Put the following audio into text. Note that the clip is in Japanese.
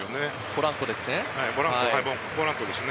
ポランコですね。